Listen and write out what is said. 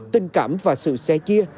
tình cảm và sự xe chia